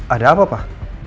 ada apa pak